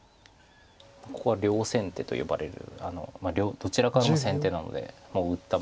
ここは両先手と呼ばれるどちらからも先手なのでもう打った者勝ちです。